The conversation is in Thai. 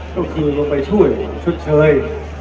ก็คือลงไปช่วยชดเชย